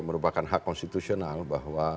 merupakan hak konstitusional bahwa